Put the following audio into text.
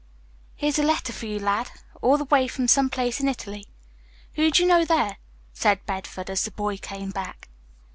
"Here's a letter for you, lad, all the way from some place in Italy. Who do you know there?" said Bedford, as the boy came back.